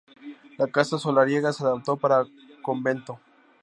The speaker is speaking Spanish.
La casa solariega se adaptó para convento.